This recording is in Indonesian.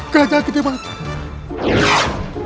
gajahnya gede banget